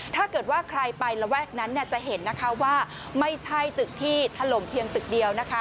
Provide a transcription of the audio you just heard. ถ้าเกิดว่าใครไประแวกนั้นจะเห็นว่าไม่ใช่ตึกที่ถล่มเพียงตึกเดียว